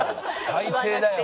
最低だよ。